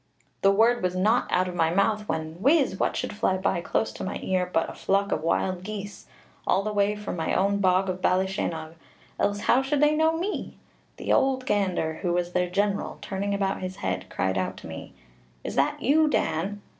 The word was not out of my mouth when, whiz! what should fly by close to my ear but a flock of wild geese, all the way from my own bog of Ballyasheenogh, else how should they know me? The ould gander, who was their general, turning about his head, cried out to me, 'Is that you, Dan?'